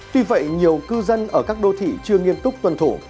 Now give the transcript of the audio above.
tuy vậy nhiều cư dân ở các đô thị chưa nghiêm túc tuân thủ